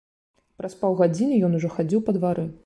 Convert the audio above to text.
Праз паўгадзіны ён ужо хадзіў па двары.